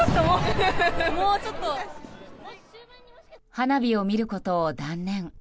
花火を見ることを断念。